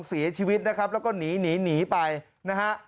เสียชีวิตนะครับแล้วก็หนีหนีไปนะฮะ